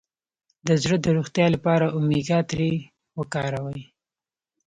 د زړه د روغتیا لپاره اومیګا تري وکاروئ